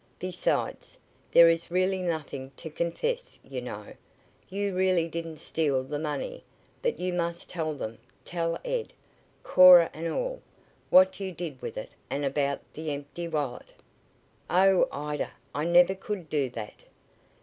Besides, there is really nothing to confess, you know. You really didn't steal the money, but you must tell them tell Ed, Cora and all what you did with it and about the empty wallet." "Oh, Ida, I never could do that!"